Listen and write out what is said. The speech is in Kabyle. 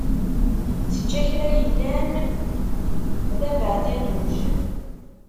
Tečča kra yellan d abeɛdadduj.